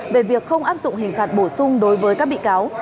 về việc không áp dụng hình phạt bổ sung đối với các bị cáo